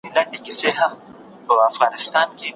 څېړونکی باید له تېرو معلوماتو څخه خبر وي.